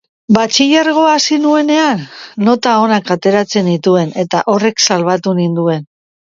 Batxilergoa hasi nuenean, nota onak ateratzen nituen eta horrek salbatu ninduen.